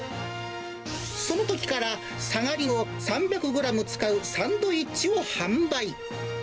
そのときから、サガリを３００グラム使うサンドイッチを販売。